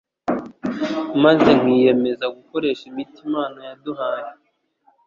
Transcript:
maze nkiyemeza gukoresha imiti Imana yaduhaye: